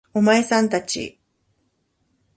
お前さん達